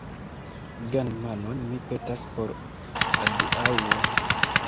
Vian manon, mi petas, por adiaŭo.